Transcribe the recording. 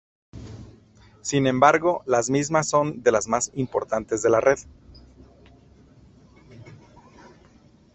Sin embargo, las mismas son de las más importantes de la red.